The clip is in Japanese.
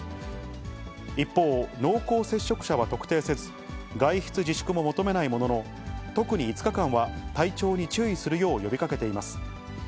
一方、濃厚接触者は特定せず、外出自粛も求めないものの、特に５日間は、体調に注意するよう呼びかけています。